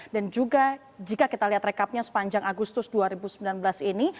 juga jika kita lihat rekapnya sepanjang agustus dua ribu sembilan belas ini